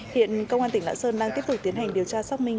hiện công an tỉnh lạng sơn đang tiếp tục tiến hành điều tra xác minh